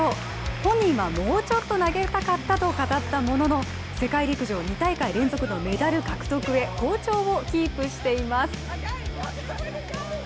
本人はもうちょっと投げたかったと語ったものの、世界陸上２大会連続のメダル獲得へ好調をキープしています。